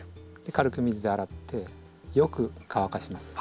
軽く水で洗ってよく乾かします。